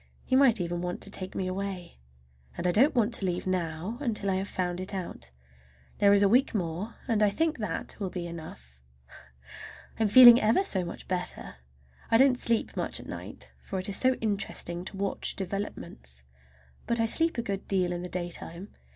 He might even want to take me away. I don't want to leave now until I have found it out. There is a week more, and I think that will be enough. I'm feeling ever so much better! I don't sleep much at night, for it is so interesting to watch developments; but I sleep a good deal in the daytime.